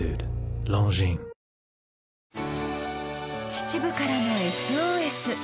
秩父からのＳＯＳ。